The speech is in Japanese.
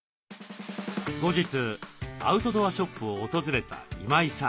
後日アウトドアショップを訪れた今井さん。